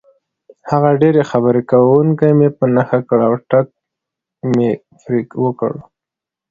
هغه ډېر خبرې کوونکی مې په نښه کړ او ټک مې پرې وکړ.